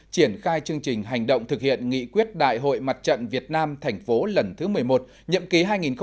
triển khai chương trình hành động thực hiện nghị quyết đại hội mặt trận việt nam thành phố lần thứ một mươi một nhậm ký hai nghìn một mươi chín hai nghìn hai mươi năm